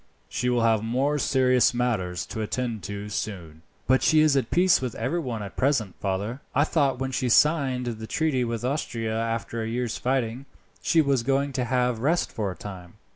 She will have more serious matters to attend to soon." "But she is at peace with every one at present, father. I thought when she signed the treaty with Austria after a year's fighting, she was going to have rest for a time."